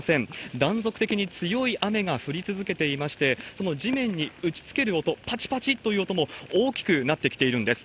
断続的に強い雨が降り続けていまして、その地面に打ちつける音、ぱちぱちっという音も大きくなってきているんです。